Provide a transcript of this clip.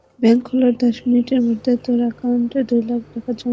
Bank খোলার দশ মিনিটের মধ্যে তোর একাউন্টে দুই লাখ টাকা জমা হয়ে যাবে।